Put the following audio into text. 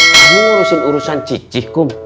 kamu ngurusin urusan cicih kum